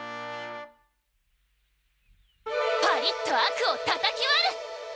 パリッと悪をたたき割る！